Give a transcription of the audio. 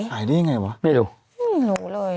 ขายได้ยังไงวะไม่รู้หนูเลย